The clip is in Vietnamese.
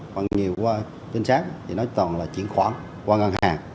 phân nhiều qua chính sách thì nó toàn là chuyển khoản qua ngân hàng